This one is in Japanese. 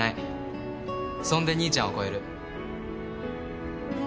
そんで兄ちゃんを越える。